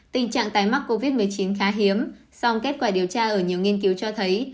tình trạng tài mắc covid một mươi chín khá hiếm song kết quả điều tra ở nhiều nghiên cứu cho thấy